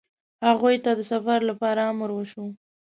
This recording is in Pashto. هغوی ته د سفر لپاره امر وشو.